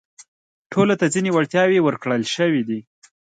ټولو ته ځينې وړتياوې ورکړل شوي دي.